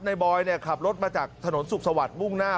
นายบอยขับรถมาจากถนนสุขศวรรคบุ้งหน้า